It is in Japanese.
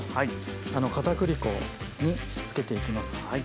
かたくり粉につけていきます。